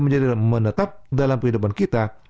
menjadi menetap dalam kehidupan kita